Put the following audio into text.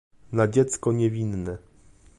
"na dziecko niewinne."